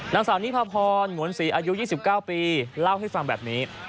นางสาวนิพาพรหงวนศรีอายุ๒๙ปีเล่าให้ฟังแบบนี้